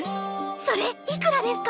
それいくらですか？